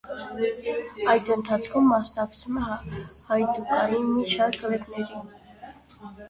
Այդ ընթացքում մասնակցում է հայդուկային մի շարք կռիվների։